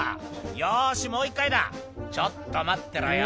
「よしもう１回だちょっと待ってろよ」